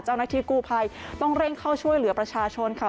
เจ้าหน้าที่กู้ภัยต้องเร่งเข้าช่วยเหลือประชาชนค่ะ